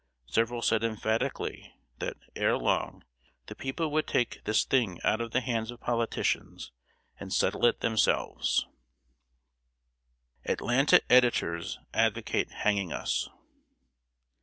Several said emphatically that, ere long, the people would "take this thing out of the hands of politicians, and settle it themselves." [Sidenote: ATLANTA EDITORS ADVOCATE HANGING US.